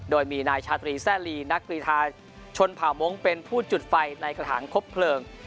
โดยมีนายชาตรีแซ่ลีนักกรีธาชนเผ่ามงค์เป็นผู้จุดไฟในกระถางครบเพลิง